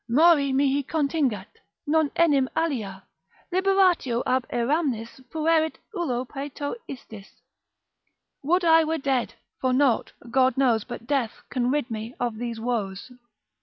Mori mihi contingat, non enim alia Liberatio ab aeramnis fuerit ullo paeto istis. Would I were dead, for nought, God knows, But death can rid me of these woes.